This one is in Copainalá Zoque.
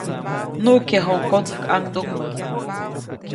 Nuʼkyajuʼuŋ kotsäjkʼaŋduŋmä.